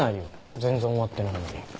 全然終わってないのに。